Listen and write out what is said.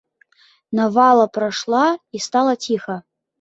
Навала прайшла, і стала ціха.